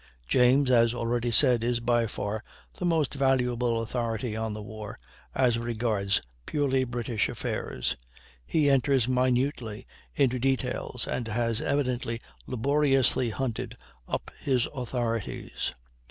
James, as already said, is by far the most valuable authority on the war, as regards purely British affairs. He enters minutely into details, and has evidently laboriously hunted up his authorities.